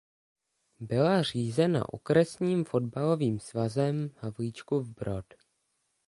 Byla řízena Okresním fotbalovým svazem Havlíčkův Brod.